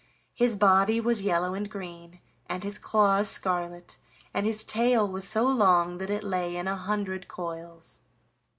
His body was yellow and green, and his claws scarlet, and his tail was so long that it lay in a hundred coils.